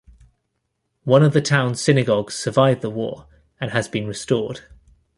One of the town's synagogues survived the war and has been restored.